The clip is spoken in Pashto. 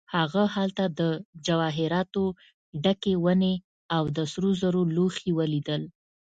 هغه هلته د جواهراتو ډکې ونې او د سرو زرو لوښي ولیدل.